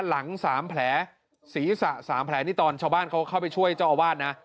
หลัง๓แผลศีรษะ๓แผลนี่ตอนชาวบ้านเขาเข้าไปช่วยเจ้าอาวาสนะ